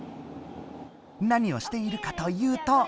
何をしているかというと。